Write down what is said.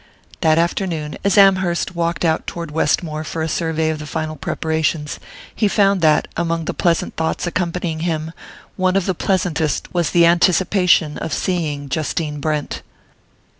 That afternoon, as Amherst walked out toward Westmore for a survey of the final preparations, he found that, among the pleasant thoughts accompanying him, one of the pleasantest was the anticipation of seeing Justine Brent.